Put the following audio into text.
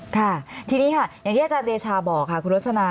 ค่ะทีนี้ค่ะอย่างที่อาจารย์เดชาบอกค่ะคุณรสนา